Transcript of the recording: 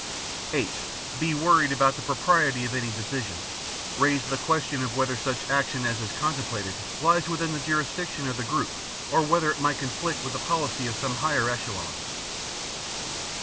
(8) Be worried about the propriety of any decision—raise the question of whether such action as is contemplated lies within the jurisdiction of the group or whether it might conflict with the policy of some higher echelon.